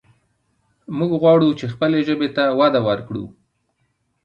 موږ غواړو چې خپلې ژبې ته وده ورکړو.